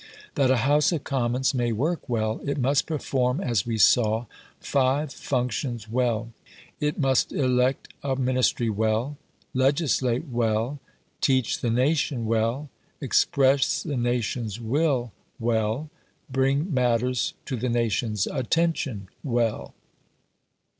That a House of Commons may work well it must perform, as we saw, five functions well: it must elect a Ministry well, legislate well, teach the nation well, express the nation's will well, bring matters to the nation's attention well.